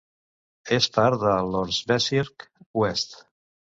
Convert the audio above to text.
És part de l'"Ortsbezirk West".